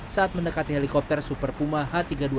saat mendekati helikopter super puma h tiga ribu dua ratus sebelas